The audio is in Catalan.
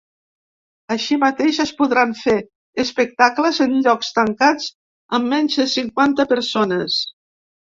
Així mateix, es podran fer espectacles en llocs tancats amb menys de cinquanta persones.